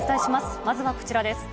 まずはこちらです。